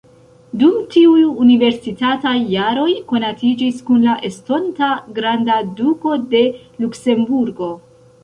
Dum tiuj universitataj jaroj konatiĝis kun la estonta granda duko de Luksemburgo.